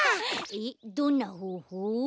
えっどんなほうほう？